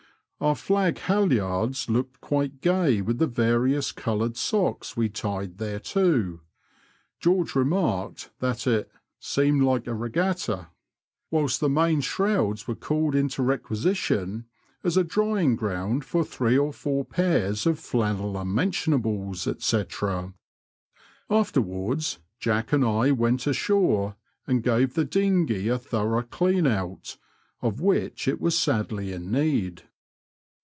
Our flag halyards looked quite gay with the various coloured socks we tied thereto (George remarked that it '* seemed like a regatta *'), whilst the main shrouds were called into requi sition as a drying ground for three or four pairs of flannel unmentionables, &c. Afterwards Jack and I went ashore and gave the dinghey a thorough clean out, of which it was sadly in need.